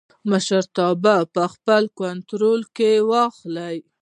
مشرتوب په خپل کنټرول کې واخلي.